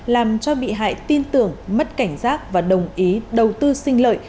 làm cho bị hại tin tưởng mất cảnh giác và đồng ý đầu tư xin lợi